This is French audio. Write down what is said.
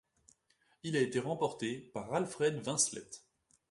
Il a été remporté par Alfred Vincelette.